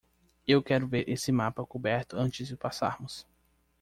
Eu quero ver esse mapa coberto antes de passarmos!